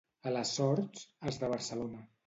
A les Sorts, els de Barcelona.